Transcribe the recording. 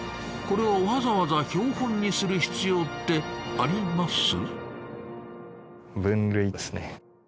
これをわざわざ標本にする必要ってあります？